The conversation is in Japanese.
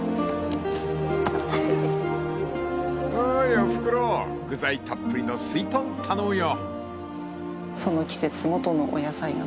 ［おーいおふくろ具材たっぷりのすいとん頼むよ］